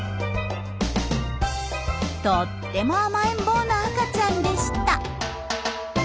とっても甘えん坊の赤ちゃんでした。